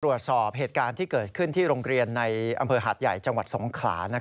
เหตุการณ์ที่เกิดขึ้นที่โรงเรียนในอำเภอหาดใหญ่จังหวัดสงขลา